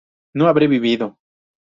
no habré vivido